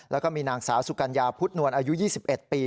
แล้วก็มีนางสาวสุกัญญาพุทธนวลอายุ๒๑ปี